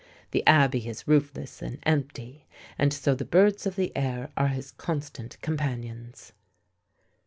The abbey is roofless and empty, and so the birds of the air are his constant companions.